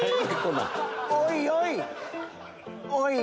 おいおい！